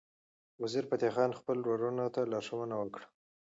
وزیرفتح خان خپل ورورانو ته لارښوونه وکړه.